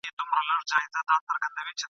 پر هغه وعده ولاړ یم په ازل کي چي مي کړې !.